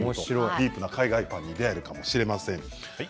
ディープな海外パンに出会えるかもしれません。